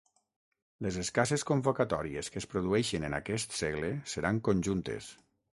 Les escasses convocatòries que es produeixen en aquest segle seran conjuntes.